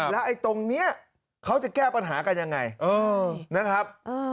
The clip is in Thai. แล้วไอ้ตรงนี้เขาจะแก้ปัญหากันยังไงนะครับ